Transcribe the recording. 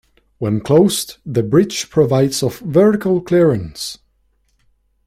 When closed the bridge provides of vertical clearance.